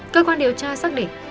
cơ quan điều tra xác định